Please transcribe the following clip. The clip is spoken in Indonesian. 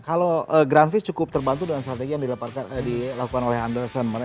kalau granfish cukup terbantu dengan strategi yang dilakukan oleh underson